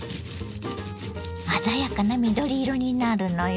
鮮やかな緑色になるのよ。